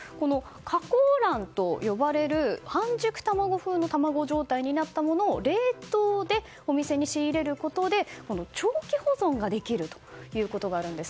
加工卵と呼ばれる半熟卵風の卵状態になったものを冷凍でお店に仕入れることで長期保存ができるということがあるんです。